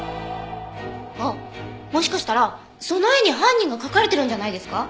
あっもしかしたらその絵に犯人が描かれてるんじゃないですか？